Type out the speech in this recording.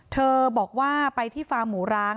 เธอบอกว่าไปที่ฟาร์มหมูร้าง